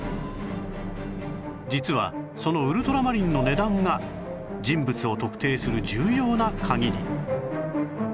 実はそのウルトラマリンの値段が人物を特定する重要な鍵に